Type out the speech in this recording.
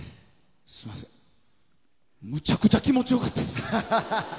すみません、むちゃくちゃ気持ち良かったです。